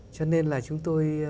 cho nên là chúng tôi